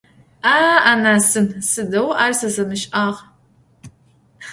A' - anasın, sıdeu ar se sımış'ağa!